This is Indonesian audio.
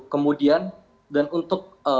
kemudian dan untuk